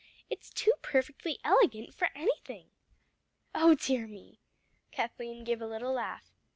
It's too perfectly elegant for anything!" "Oh dear me!" Kathleen gave a little laugh.